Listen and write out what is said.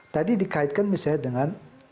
tadi dikaitkan misalnya dengan